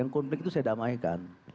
konflik itu saya damaikan